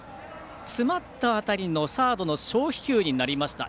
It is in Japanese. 詰まった当たりのサードの小飛球になりました。